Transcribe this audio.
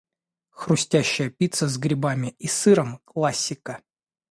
Хрустящая пицца с грибами и сыром - классика.